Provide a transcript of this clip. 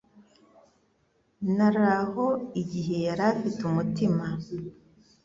Nari aho igihe yari afite umutima.